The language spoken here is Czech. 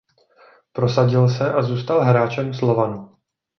Prosadil se a zůstal hráčem Slovanu.